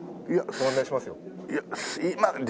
ご案内しますよ。